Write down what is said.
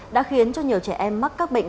đã khiến cho nhiều trẻ em mắc các bệnh